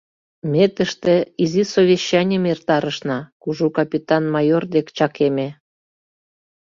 — Ме тыште изи совещанийым эртарышна, — кужу капитан майор дек чакеме.